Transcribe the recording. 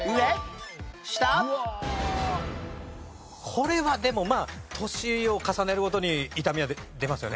これはでもまあ年を重ねるごとに痛みは出ますよね？